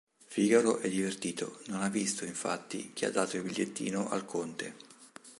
Figaro è divertito: non ha visto, infatti, chi ha dato il bigliettino al Conte.